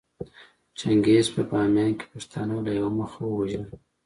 چنګېز په باميان کې پښتانه له يوه مخه ووژل